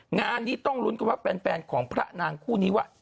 งานนี้ต้องลุ้นกันว่าแฟนของพระนางคู่นี้ว่า